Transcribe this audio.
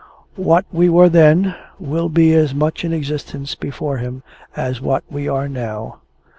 What we were then, will be as much in existence before Him, as what we are now."